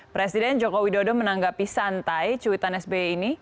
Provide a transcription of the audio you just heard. presiden joko widodo menanggapi santai cuitan sbi ini